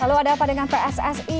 lalu apa dengan pssi